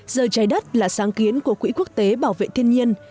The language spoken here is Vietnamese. giờ trái đất là sáng kiến của quỹ quốc tế bảo vệ thiên nhiên